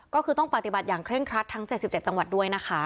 ก็คือต้องปฏิบัติอย่างเร่งครัดทั้ง๗๗จังหวัดด้วยนะคะ